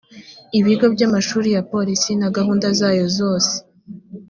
ibigo by amashuri ya polisi na gahunda zayo zose